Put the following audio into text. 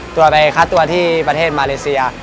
ตัวไปค้าตัวที่ประเทศมาเลเซีย